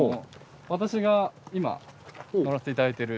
私が今乗らせていただいている。